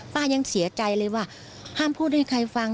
ยังเสียใจเลยว่าห้ามพูดให้ใครฟัง